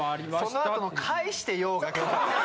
そのあとの「返してよ」が。